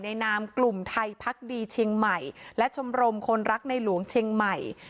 นามกลุ่มไทยพักดีเชียงใหม่และชมรมคนรักในหลวงเชียงใหม่